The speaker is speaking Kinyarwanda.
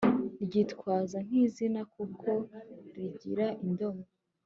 Ryitwara nk izina kuko rigira indomo